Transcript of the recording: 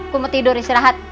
gue mau tidur istirahat